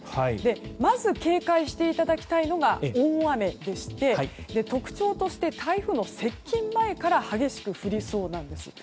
まず警戒していただきたいのが大雨でして特徴として台風の接近前から激しく降りそうです。